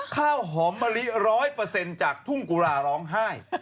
ข้าวหอมมะลิ๑๐๐จากทุ่งกุราร้องไห้